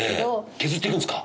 削っていくんですか？